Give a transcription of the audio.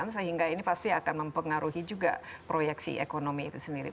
sehingga ini pasti akan mempengaruhi juga proyeksi ekonomi itu sendiri